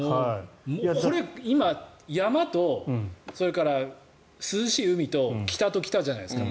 これ、今山とそれから涼しい海と北と来たじゃないですか。